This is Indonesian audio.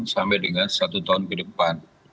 sampai dengan satu tahun ke depan